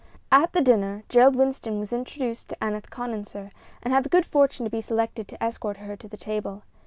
At the dinner Gerald Winston was introduced to Aneth Consinor, and had the good fortune to be selected to escort her to the table.